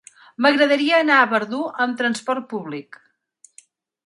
M'agradaria anar a Verdú amb trasport públic.